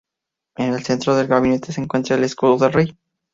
En el centro del gablete se encuentra el escudo del rey.